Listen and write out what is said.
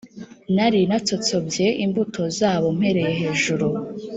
Nari natsotsobye imbuto zabo mpereye hejuru,